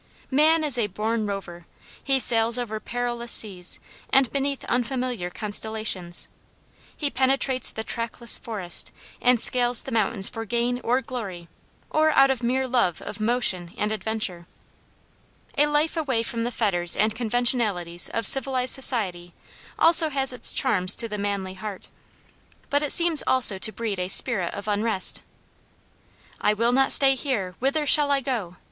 Man is a born rover. He sails over perilous seas and beneath unfamiliar constellations. He penetrates the trackless forest and scales the mountains for gain or glory or out of mere love of motion and adventure. A life away from the fetters and conventionalities of civilized society also has its charms to the manly heart. The free air of the boundless wilderness acts on many natures as a stimulus to effort; but it seems also to breed a spirit of unrest. "I will not stay here! whither shall I go?"